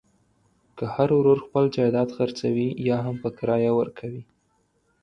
که هر ورور خپل جایداد خرڅوي یاهم په کرایه ورکوي.